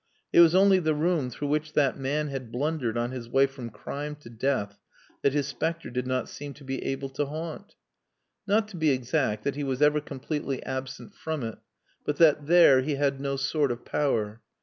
It was only the room through which that man had blundered on his way from crime to death that his spectre did not seem to be able to haunt. Not, to be exact, that he was ever completely absent from it, but that there he had no sort of power.